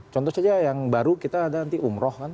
contoh saja yang baru kita ada nanti umroh kan